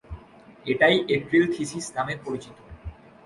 এটাই April thesis নামে পরিচিত।